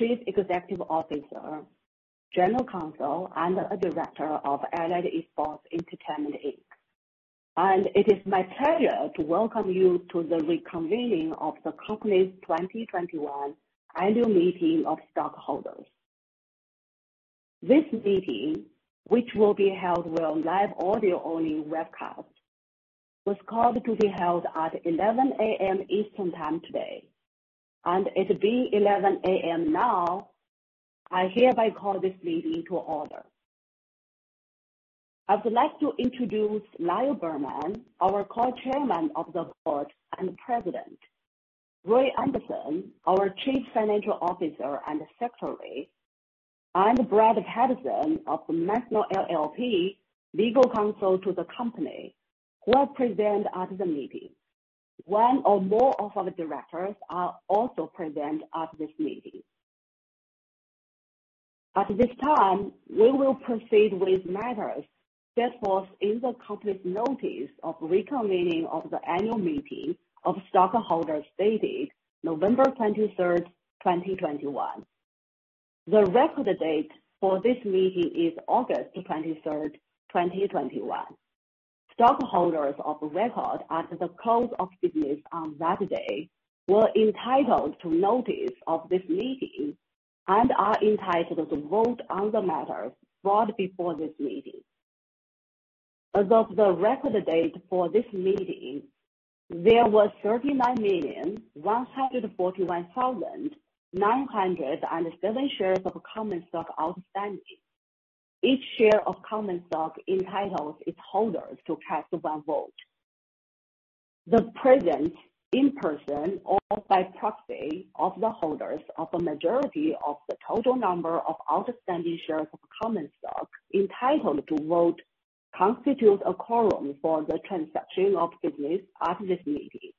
Chief Executive Officer, General Counsel, and a Director of Allied Esports Entertainment, Inc. It is my pleasure to welcome you to the reconvening of the company's 2021 annual meeting of stockholders. This meeting, which will be held via live audio-only webcast, was called to be held at 11:00 A.M. Eastern Time today. It being 11:00 A.M. now, I hereby call this meeting to order. I would like to introduce Lyle Berman, our Co-Chairman of the Board and President. Ray Anderson, our Chief Financial Officer and Secretary. Brad Patterson of Marcum LLP, legal counsel to the company, who are present at the meeting. One or more of our directors are also present at this meeting. At this time, we will proceed with matters that was in the company's notice of reconvening of the annual meeting of stockholders dated November 23, 2021. The record date for this meeting is August 23, 2021. Stockholders of record at the close of business on that day were entitled to notice of this meeting and are entitled to vote on the matters brought before this meeting. As of the record date for this meeting, there were 39,141,907 shares of common stock outstanding. Each share of common stock entitles its holder to cast one vote. The presence in person or by proxy of the holders of a majority of the total number of outstanding shares of common stock entitled to vote constitute a quorum for the transaction of business at this meeting.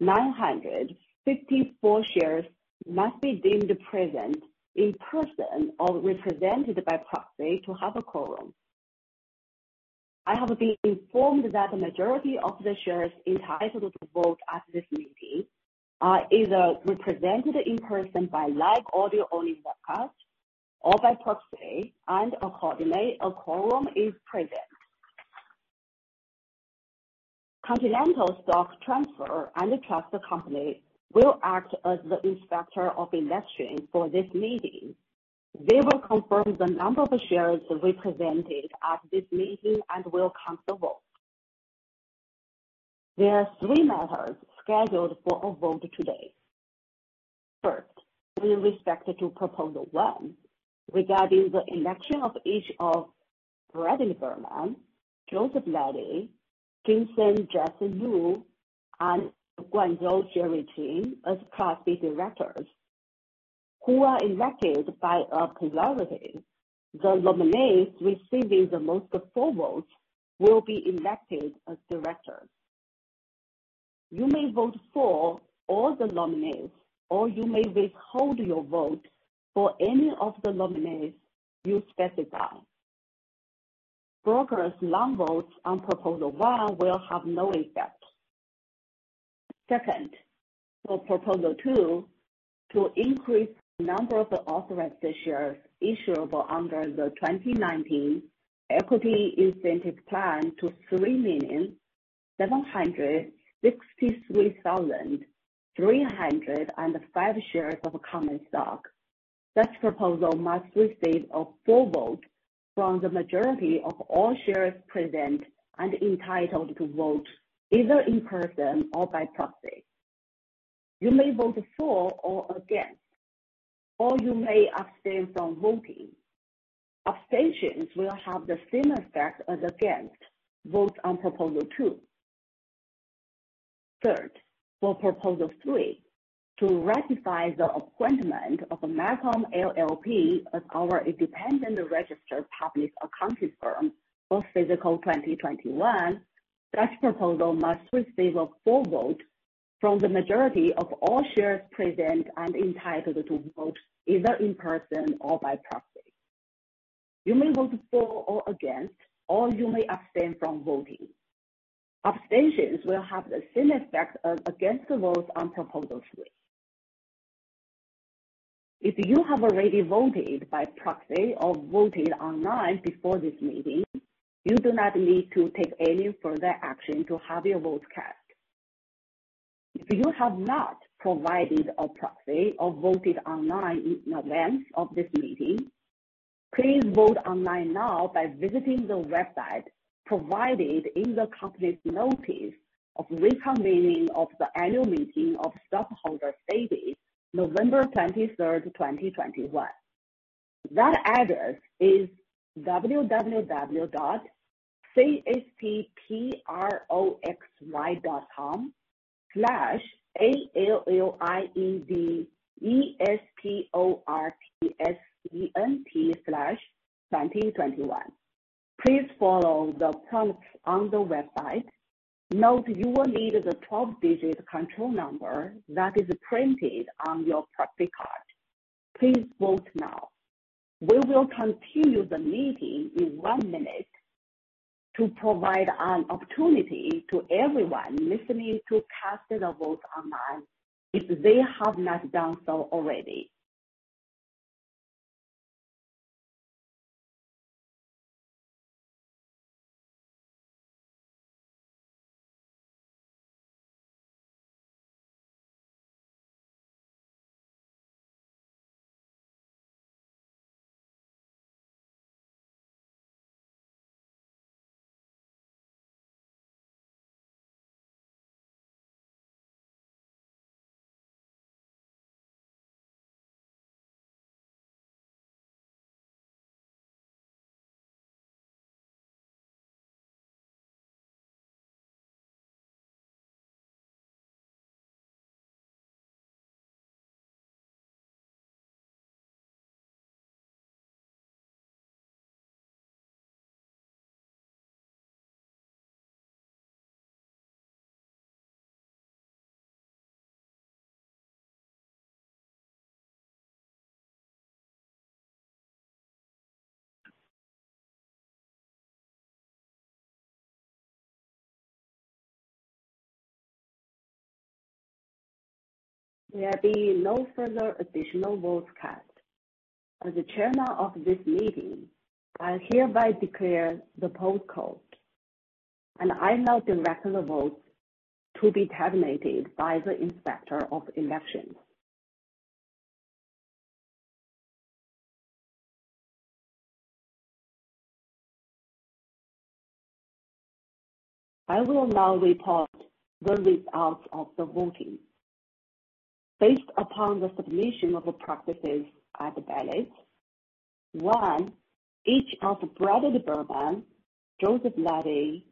Therefore, the holders of 19,570,954 shares must be deemed present in person or represented by proxy to have a quorum. I have been informed that the majority of the shares entitled to vote at this meeting are either represented in person by live audio-only webcast or by proxy, and accordingly, a quorum is present. Continental Stock Transfer & Trust Company will act as the Inspector of Election for this meeting. They will confirm the number of shares represented at this meeting and will count the vote. There are three matters scheduled for a vote today. First, with respect to Proposal 1, regarding the election of each of Bradley Berman, Joseph Lahti, Jingsheng (Jason) Lu, and Guanzhou (Jerry) Qin as Class B directors who are elected by plurality. The nominees receiving the most votes will be elected as directors. You may vote for all the nominees, or you may withhold your vote for any of the nominees you specify. Brokers' non-votes on Proposal one will have no effect. Second, for proposal two, to increase the number of authorized shares issuable under the 2019 Equity Incentive Plan to 3,763,305 shares of common stock. Such proposal must receive a full vote from the majority of all shares present and entitled to vote, either in person or by proxy. You may vote for or against, or you may abstain from voting. Abstentions will have the same effect as against vote on proposal two. Third, for proposal three, to ratify the appointment of Marcum LLP as our independent registered public accounting firm for fiscal 2021. Such proposal must receive a full vote from the majority of all shares present and entitled to vote, either in person or by proxy. You may vote for or against, or you may abstain from voting. Abstentions will have the same effect as against the vote on proposal 3. If you have already voted by proxy or voted online before this meeting, you do not need to take any further action to have your vote cast. If you have not provided a proxy or voted online in advance of this meeting, please vote online now by visiting the website provided in the company's notice of reconvening of the annual meeting of stockholders dated November 23, 2021. That address is www.cstproxy.com/alliedesportsevent/2021. Please follow the prompts on the website. Note you will need the 12-digit control number that is printed on your proxy card. Please vote now. We will continue the meeting in 1 minute to provide an opportunity to everyone listening to cast their vote online if they have not done so already. There being no further additional votes cast, as the chairman of this meeting, I hereby declare the poll closed, and I now direct the votes to be tabulated by the Inspector of Election. I will now report the results of the voting. Based upon the submission of the proxies at the ballot, one, each of Bradley Berman, Joseph Lahti,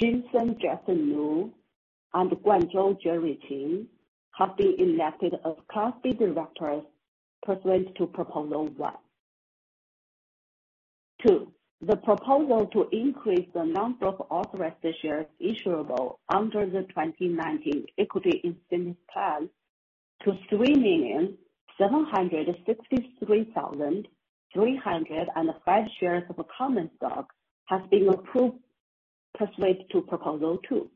Jingsheng (Jason) Lu, and Guangzhou Qin have been elected as Class B directors pursuant to proposal one. Two, the proposal to increase the number of authorized shares issuable under the 2019 Equity Incentive Plan to 3,763,305 shares of common stock has been approved pursuant to proposal two.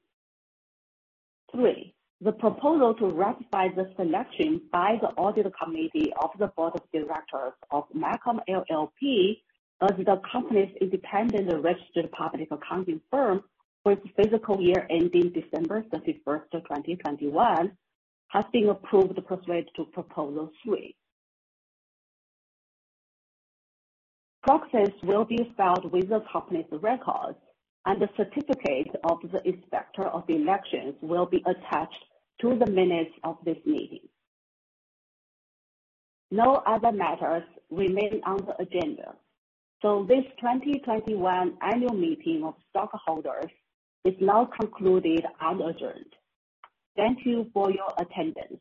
Three, the proposal to ratify the selection by the Audit Committee of the Board of Directors of Marcum LLP as the company's independent registered public accounting firm for its fiscal year ending December 31, 2021 has been approved pursuant to proposal three. Proxies will be filed with the company's records, and the certificate of the Inspector of Election will be attached to the minutes of this meeting. No other matters remain on the agenda. This 2021 annual meeting of stockholders is now concluded and adjourned. Thank you for your attendance.